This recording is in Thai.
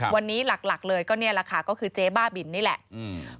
วันนี้หลักหลักเลยก็เนี่ยแหละค่ะก็คือเจ๊บ้าบินนี่แหละอืม